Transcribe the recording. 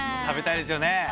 食べたいですよね。